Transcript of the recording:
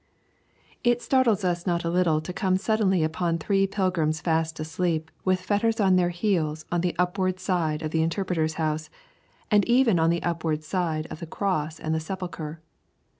It startles us not a little to come suddenly upon three pilgrims fast asleep with fetters on their heels on the upward side of the Interpreter's House, and even on the upward side of the cross and the sepulchre.